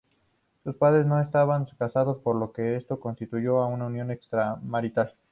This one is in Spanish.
Sus padres no estaban casados, por lo que esto constituyó una unión extramarital.